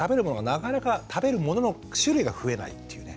なかなか食べるものの種類が増えないっていうね。